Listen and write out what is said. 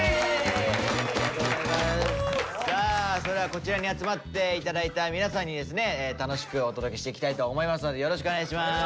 こちらに集まって頂いた皆さんにですね楽しくお届けしていきたいと思いますのでよろしくお願いします。